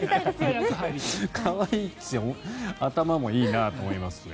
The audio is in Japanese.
可愛いですし頭もいいなと思いますね。